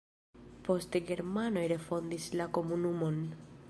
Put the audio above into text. Poste germanoj refondis la komunumon.